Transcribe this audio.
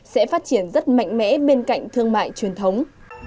sẽ phát triển rất mạnh mẽ bên cạnh thương mại truyền thống